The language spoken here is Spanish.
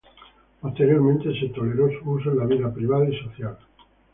Posteriormente se toleró su uso en la vida privada y social.